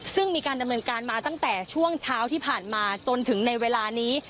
ซึ่งมีการดำเนินการมาตั้งแต่ช่วงเช้าที่ผ่านมาจนถึงในเวลานี้